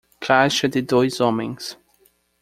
Caixa de dois homens.